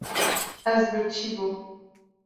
Ez birçî bûm.